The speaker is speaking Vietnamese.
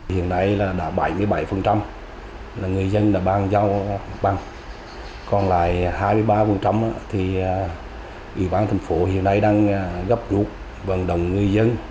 hiện nay là đã bảy mươi bảy là người dân đã bàn giao mặt bằng còn lại hai mươi ba thì ủy ban thành phố hiện nay đang gấp rút vận động người dân